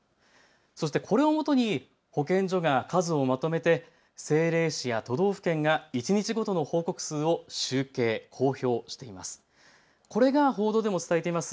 そして、これをもとに保健所が数をまとめて政令市や都道府県が一日ごとの報告数を集計、公表しています。